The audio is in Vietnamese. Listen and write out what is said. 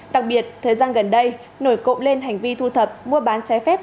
đặc biệt thời gian gần đây nổi cộng lên hành vi thu thập mua bán trái phép